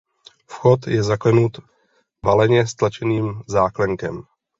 Vchod je zaklenut valeně stlačeným záklenkem.